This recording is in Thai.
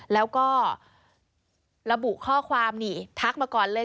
แล้วก็ระบุข้อความนี่ทักมาก่อนเลย